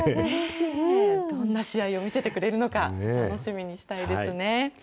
どんな試合を見せてくれるのか、楽しみにしたいですね。